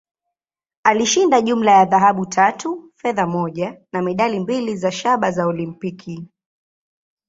Alishinda jumla ya dhahabu tatu, fedha moja, na medali mbili za shaba za Olimpiki.